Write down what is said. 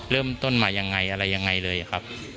เริ่มต้นมายังไงอะไรยังไงเลยครับ